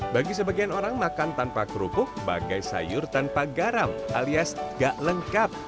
bagi sebagian orang makan tanpa kerupuk bagai sayur tanpa garam alias gak lengkap